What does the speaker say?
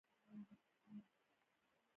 کاش دا نوښتونه د انسان د آسوده ګۍ لپاره وای